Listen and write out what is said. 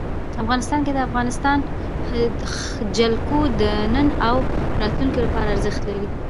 افغانستان کې د افغانستان جلکو د نن او راتلونکي لپاره ارزښت لري.